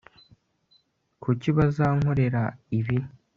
kuki bazankorera ibi